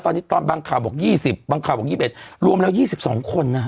ตอนนี้ตอนบางข่าวบอกยี่สิบบางข่าวบอกยี่สิบเอ็ดรวมแล้วยี่สิบสองคนน่ะ